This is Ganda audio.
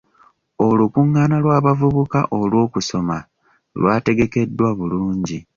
Olukungaana lwabavuka olw'okusoma lwategekeddwa bulungi.